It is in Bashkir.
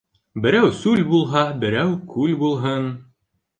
Берәү сүл булһа, берәү күл булһын.